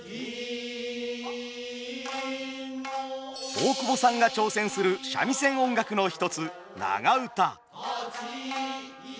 大久保さんが挑戦する三味線音楽の一つ「長唄」。